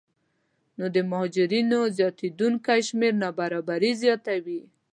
نو د مهاجرینو زیاتېدونکی شمېر نابرابري زیاتوي